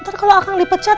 ntar kalau akang lipecat